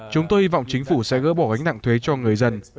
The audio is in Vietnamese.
chúng tôi hy vọng chính phủ sẽ gỡ bỏ gánh nặng thuế cho người dân